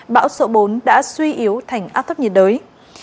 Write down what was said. bão số bốn đã suy yếu thành áp thấp nhiệt đới